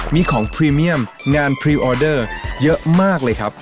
มีของพรีเมียมงานพรีออเดอร์เยอะมากเลยครับ